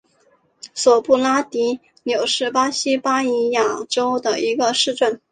索布拉迪纽是巴西巴伊亚州的一个市镇。